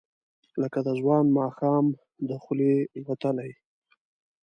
لکه د ځوان ماښام، د خولې وتلې،